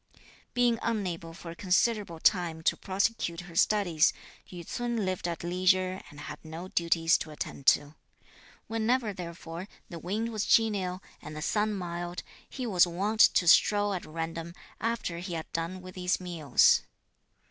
Being unable for a considerable time to prosecute her studies, Yü ts'un lived at leisure and had no duties to attend to. Whenever therefore the wind was genial and the sun mild, he was wont to stroll at random, after he had done with his meals.